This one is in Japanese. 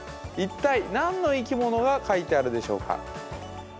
一体何の生きものが描いてあるでしょうか？